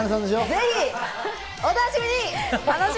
ぜひお楽しみに！